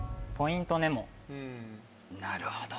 なるほど。